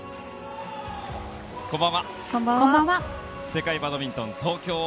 世界バドミントン東京。